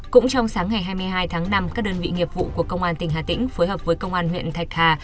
cũng trong sáng ngày hai mươi hai tháng năm các đơn vị nghiệp vụ của công an tp thủ đức phối hợp với công an tp thạch hà